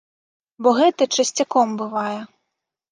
Бо гэта часцяком бывае.